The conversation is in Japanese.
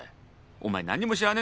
お前何にも知らねえんだな。